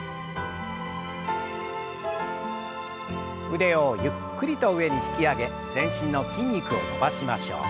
腕をゆっくりと上に引き上げ全身の筋肉を伸ばしましょう。